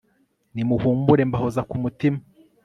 nimuhumure mbahoza ku mutima